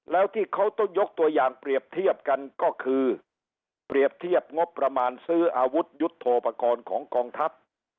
แล้วที่เขาต้องยกตัวอย่างเปรียบเทียบกันก็คือเปรียบเทียบงบประมาณซื้ออาวุธยุทธโทปกรณ์ของกองทัพ